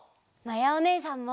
まやおねえさんも！